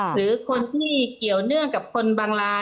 หรือคนที่เกี่ยวเนื่องกับคนบางราย